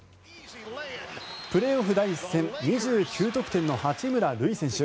プレーオフ第１戦２９得点の八村塁選手。